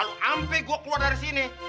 kalo ampe gue keluar dari sini